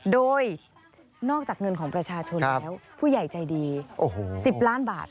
โดยนอกจากเงินของประชาชนแล้วผู้ใหญ่ใจดี๑๐ล้านบาท